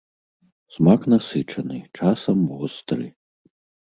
Смак насычаны, часам востры.